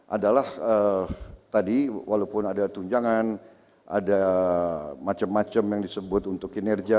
adalah tadi walaupun ada tunjangan ada macam macam yang disebut untuk kinerja